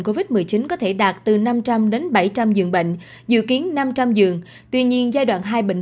covid một mươi chín có thể đạt từ năm trăm linh đến bảy trăm linh giường bệnh dự kiến năm trăm linh giường tuy nhiên giai đoạn hai bệnh